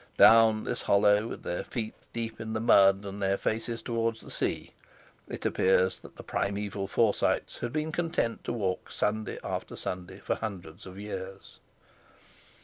Down this hollow, with their feet deep in the mud and their faces towards the sea, it appeared that the primeval Forsytes had been content to walk Sunday after Sunday for hundreds of years.